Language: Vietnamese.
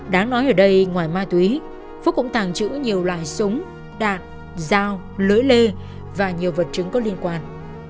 đáng nói ở đây ngoài ma túy phúc cũng tàng trữ nhiều loại súng đạn dao lưới lê và nhiều vật chứng có liên quan